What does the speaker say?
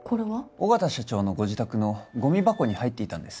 緒方社長のご自宅のゴミ箱に入っていたんです